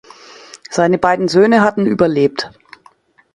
Seine beiden Söhne hatten überlebt.